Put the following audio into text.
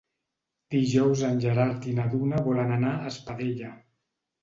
Dijous en Gerard i na Duna volen anar a Espadella.